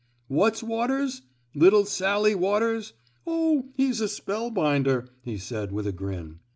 — What's Waters? Little Sally Waters — Oh, he's a spellbinder," he said, with a grin.